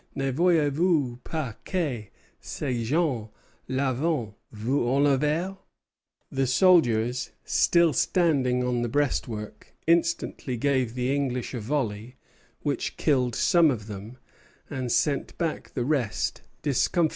Ne voyez vous pas que ces gens là vont vous enlever?" The soldiers, still standing on the breastwork, instantly gave the English a volley, which killed some of them, and sent back the rest discomfited.